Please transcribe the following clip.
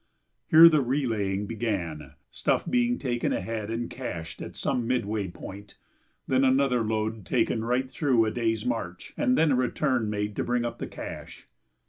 Here the relaying began, stuff being taken ahead and cached at some midway point, then another load taken right through a day's march, and then a return made to bring up the cache.